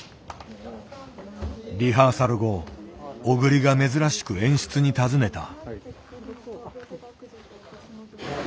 リハーサル後小栗が珍しく演出に尋ねた。